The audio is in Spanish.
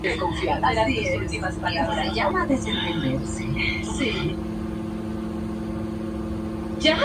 Sólo un departamento logra poseer ambas riberas del río.